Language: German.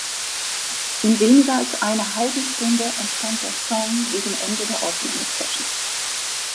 In weniger als einer halben Stunde entstand der Song gegen Ende der Aufnahmesession.